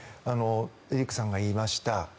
エリックさんが言いました。